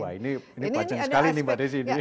wah ini panjang sekali nih pada sini